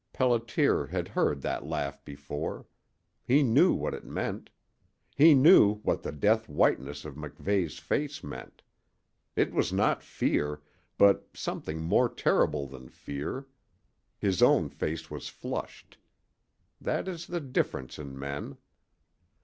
Pelliter had heard that laugh before. He knew what it meant. He knew what the death whiteness of MacVeigh's face meant. It was not fear, but something more terrible than fear. His own face was flushed. That is the difference in men.